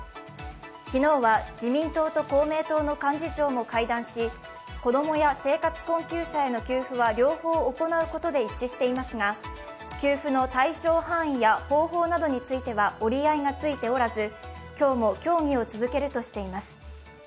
昨日は自民党と公明党の幹事長も会談し、子供や生活困窮者への給付は両方行うことで一致していますが給付の対象範囲や方法などについては折り合いがついておらず今日も協議を続けるとしています。